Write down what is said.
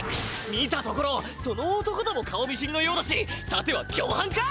見たところその男とも顔見知りのようだしさてはきょうはんか！？